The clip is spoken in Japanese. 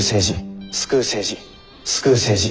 救う政治。